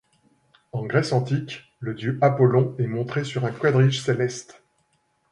En Grèce antique, le dieu Apollon est montré sur un quadrige céleste.